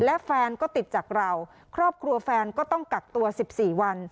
และแฟนก็ติดจากเราครอบครัวแฟนก็ต้องกักตัว๑๔วัน